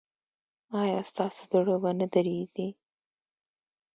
ایا ستاسو زړه به نه دریدي؟